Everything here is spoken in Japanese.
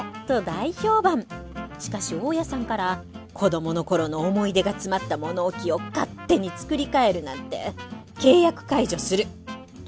しかし大家さんから「子供の頃の思い出が詰まった物置を勝手に作り替えるなんて契約解除する！」と言われました。